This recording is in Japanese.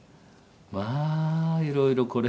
まあいろいろこれ。